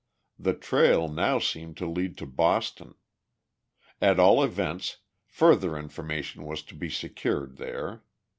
The trail now seemed to lead to Boston. At all events, further information was to be secured there.